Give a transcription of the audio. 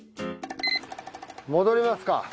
戻りますか？